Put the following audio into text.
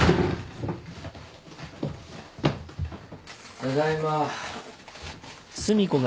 ただいま。